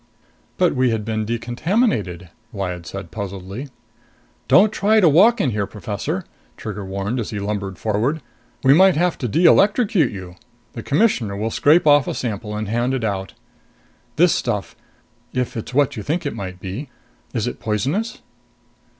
"But we had been decontaminated," Lyad said puzzledly. "Don't try to walk in here, Professor!" Trigger warned as he lumbered forward. "We might have to de electrocute you. The Commissioner will scrape off a sample and hand it out. This stuff if it's what you think it might be is poisonous?"